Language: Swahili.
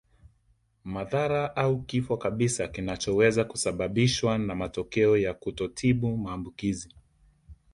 Madhara au kifo kabisa kinachoweza kusababishwa na matokeo ya kutotibu maambukizi